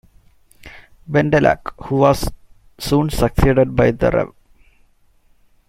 Bendelack, who was soon succeeded by the Rev.